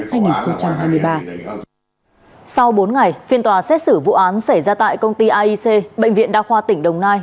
sau bốn ngày phiên tòa xét xử vụ án xảy ra tại công ty aic bệnh viện đa khoa tỉnh đồng nai